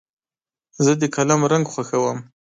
زه د قلم رنګ خوښوم.